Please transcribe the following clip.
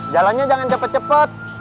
jalannya jangan cepet cepet